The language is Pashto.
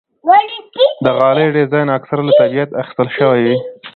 د غالۍ ډیزاین اکثره له طبیعت اخیستل شوی وي.